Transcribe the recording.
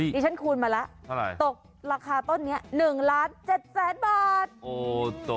นี่ฉันคูณมาละตกราคาต้นนี้๑๗๐๐๐๐๐บาท